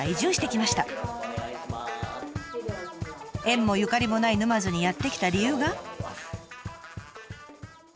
縁もゆかりもない沼津にやって来た理由が。